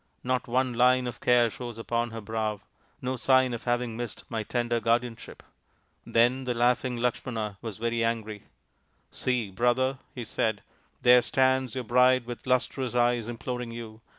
Not one line of care shows upon her brow, no sign of having missed my tender guardianship !" Then the laughing Lakshmana was very angry. " See, brother," he said, " there stands your bride with lustrous eyes imploring you.